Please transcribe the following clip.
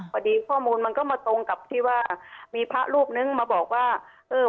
พอดีข้อมูลมันก็มาตรงกับที่ว่ามีพระรูปนึงมาบอกว่าเออ